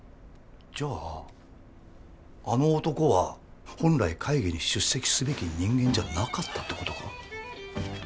じゃああの男は本来会議に出席すべき人間じゃなかったってことか。